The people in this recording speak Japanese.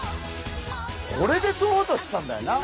これでとろうとしてたんだよな。